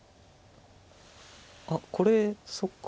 あっこれそっか。